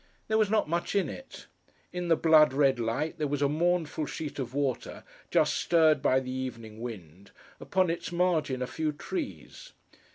There was not much in it. In the blood red light, there was a mournful sheet of water, just stirred by the evening wind; upon its margin a few trees.